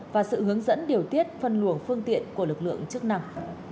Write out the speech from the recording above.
và sự hướng dẫn điều tiết phân luồng phương tiện của lực lượng chức năng